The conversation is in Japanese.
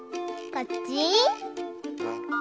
こっち？